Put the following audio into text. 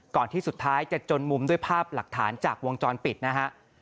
ที่สุดท้ายจะจนมุมด้วยภาพหลักฐานจากวงจรปิดนะฮะ